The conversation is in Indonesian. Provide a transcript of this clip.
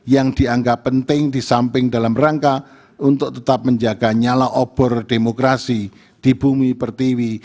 yang dianggap penting di samping dalam rangka untuk tetap menjaga nyala obor demokrasi di bumi pertiwi